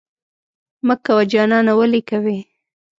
مه کوه جانانه ولې کوې؟